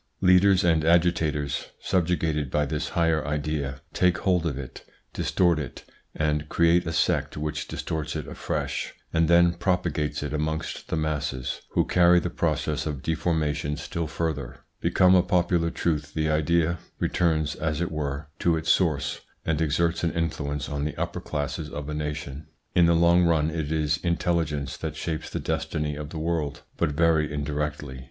Leaders and agitators, subjugated by this higher idea, take hold of it, distort it and create a sect which distorts it afresh, and then propagates it amongst the masses, who carry the process of deformation still further. Become a popular truth the idea returns, as it were, to its source and exerts an influence on the upper classes of a nation. In the long run it is intelligence that shapes the destiny of the world, but very indirectly.